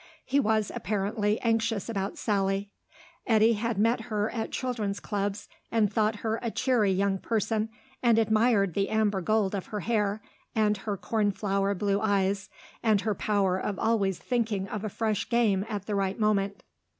He was, apparently, anxious about Sally. Eddy had met her at children's clubs, and thought her a cheery young person, and admired the amber gold of her hair, and her cornflower blue eyes, and her power of always thinking of a fresh game at the right moment.